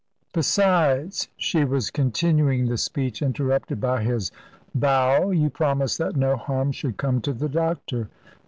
"Besides" she was continuing the speech interrupted by his bow "you promised that no harm should come to the doctor."